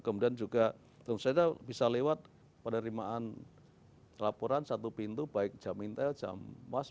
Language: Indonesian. kemudian juga misalnya bisa lewat penerimaan laporan satu pintu baik jamintel jammas